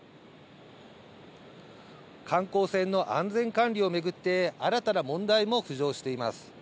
観光船の安全管理を巡って、新たな問題も浮上しています。